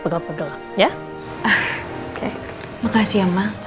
aku gak mau ngebahas ya soal mbak nita